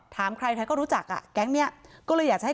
ถามใครใครก็รู้จักอ่ะแก๊งเนี้ยก็เลยอยากจะให้